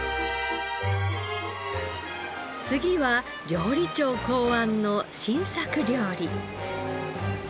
次は料理長考案の新作料理。